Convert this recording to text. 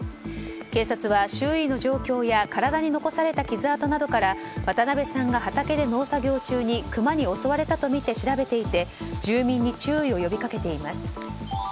警察は周囲の状況や体に残された傷痕などから渡部さんが畑で農作業中にクマに襲われたとみて調べていて住民に注意を呼び掛けています。